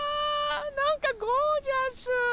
なんかゴージャス！